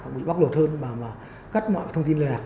bị bắt lột hơn và cất mọi thông tin lại